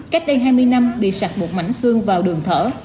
cách đây hai mươi năm bị sập một mảnh xương vào đường thở